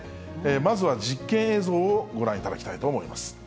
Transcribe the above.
まずは実験映像をご覧いただきたいと思います。